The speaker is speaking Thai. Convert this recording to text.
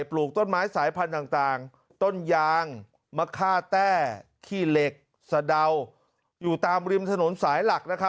ปลูกต้นไม้สายพันธุ์ต่างต้นยางมะค่าแต้ขี้เหล็กสะเดาอยู่ตามริมถนนสายหลัก